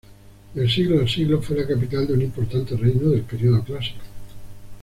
Del siglo al siglo fue la capital de un importante reino del periodo Clásico.